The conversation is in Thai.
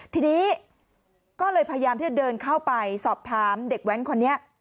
ทีนี้ก็เลยพยายามที่จะเดินเข้าไปสอบถามเด็กแว้นคนนี้